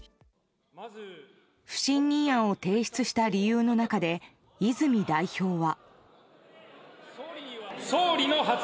不信任案を提出した理由の中で泉代表は。